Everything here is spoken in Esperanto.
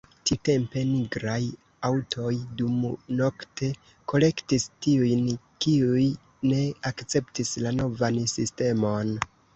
Tiutempe nigraj aŭtoj dumnokte kolektis tiujn, kiuj ne akceptis la novan sistemon.